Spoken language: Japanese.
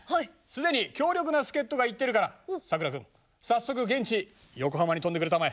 すでに強力な助っ人が行ってるからさくら君早速現地横浜に飛んでくれたまえ。